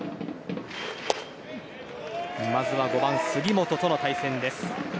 まずは５番、杉本との対戦。